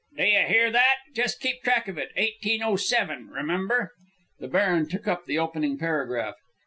"Did you hear that? Just keep track of it. 1807, remember!" The baron took up the opening paragraph.